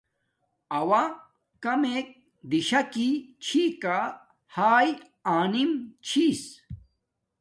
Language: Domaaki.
اݸݳ کمݵک دِشَکݵ چھݵکݳ ہݳئݵ آنِم چݵس.